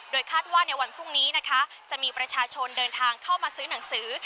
คาดว่าในวันพรุ่งนี้นะคะจะมีประชาชนเดินทางเข้ามาซื้อหนังสือ